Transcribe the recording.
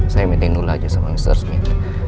saya meeting dulu aja sama mr smith